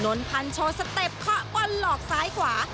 นนพันธ์โชว์สเต็ปเคาะบนหลอกซ้ายขวา